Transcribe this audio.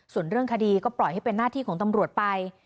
ส่วนเรื่องคดีก็ปล่อยให้เป็นหน้าที่ของตำรวจไป